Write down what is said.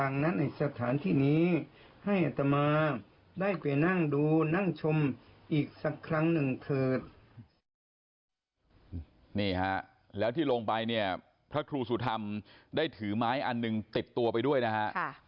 นี่ฮะแล้วที่ลงไปเนี่ยพระครูสุธรรมได้ถือไม้อันหนึ่งติดตัวไปด้วยนะฮะ